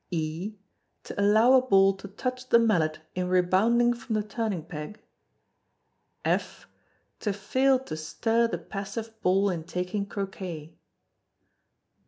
(e) To allow a ball to touch the mallet in rebounding from the turning peg. (f) To fail to stir the passive ball in taking Croquet.